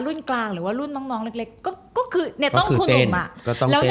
รุ่นกลางหรือว่ารุ่นน้องเล็กก็คือเนี่ยต้องคุณหนุ่มอะ